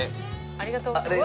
ありがとうございます。